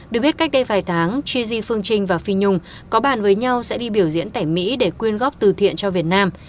được biết cách đây vài tháng chriji phương trinh và phi nhung có bàn với nhau sẽ đi biểu diễn tại mỹ để quyên góp từ thiện cho việt nam